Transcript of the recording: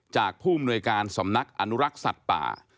ผู้อำนวยการสำนักอนุรักษ์สัตว์ป่า